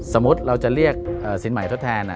สมมุติเราจะเรียกสินใหม่ทดแทน